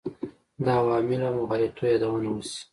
د عواملو او مغالطو یادونه وشي.